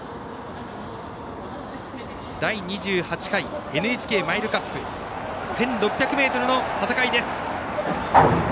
第２８回ＮＨＫマイルカップ１６００ｍの戦いです！